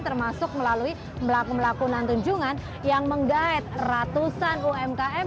termasuk melalui melaku melaku nang tunjungan yang menggaet ratusan umkm